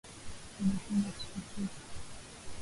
Anakunywa nsupu